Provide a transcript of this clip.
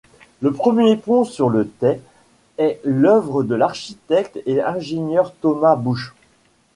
Le premier pont sur le Tay est l’œuvre de l'architecte et ingénieur Thomas Bouch.